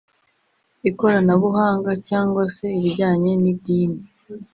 ikoranabuhanga cyangwa se ibijyanye n’idini